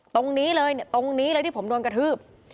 ตรงนี้เลยตรงนี้เลยที่ผมโดนกระทืบ